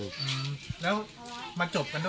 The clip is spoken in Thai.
แล้วมันจบกันได้อย่างไงครับผัวใจจะอย่างไหนครับ